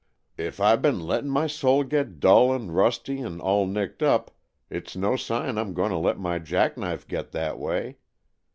If I been letting my soul get dull and rusty and all nicked up, it's no sign I'm going to let my jack knife get that way.